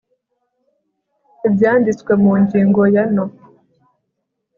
ibyanditswe mu ngingo ya no